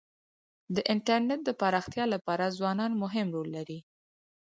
د انټرنېټ د پراختیا لپاره ځوانان مهم رول لري.